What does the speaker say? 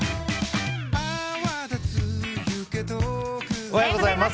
おはようございます。